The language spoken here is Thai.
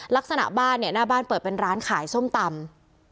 ลักษณะบ้านเนี่ยหน้าบ้านเปิดเป็นร้านขายส้มตำ